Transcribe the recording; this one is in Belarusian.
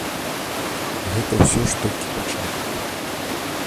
Гэта ўсё ж толькі пачатак.